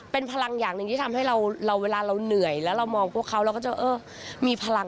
เป็นพลังอย่างหนึ่งที่ทำให้เราเวลาเราเหนื่อยแล้วเรามองพวกเขาเราก็จะเออมีพลัง